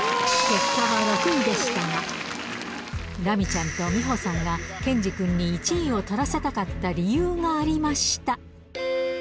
結果は６位でしたが、ラミちゃんと美保さんが、剣侍君に１位をとらせたかった理由がありました。